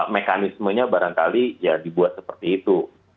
mekanismenya barangkali ya dibuat seperti itu